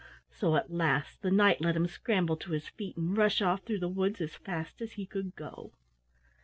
So at last the Knight let him scramble to his feet and rush off through the woods as fast as he could go.